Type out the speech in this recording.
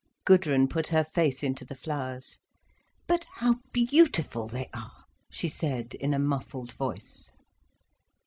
Gudrun put her face into the flowers. "But how beautiful they are!" she said, in a muffled voice.